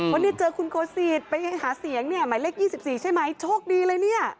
วันนี้เจอคุณโคสิตไปหาเสียงหมายเลข๒๔ใช่ไหมโชคดีเลยเนี่ย